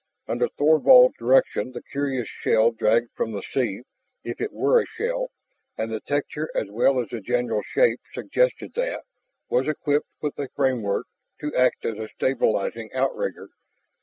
Under Thorvald's direction the curious shell dragged from the sea if it were a shell, and the texture as well as the general shape suggested that was equipped with a framework to act as a stabilizing outrigger.